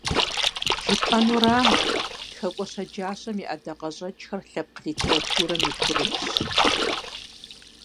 Жыпӏэнурамэ, тхакӏуэ щэджащэм и ӏэдакъэщӏэкӏхэр лъэпкъ литературэм и курыхщ.